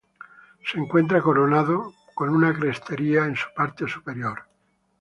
Se encuentra coronado con una crestería en su parte superior.